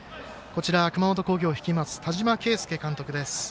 熊本工業を率います田島圭介監督です。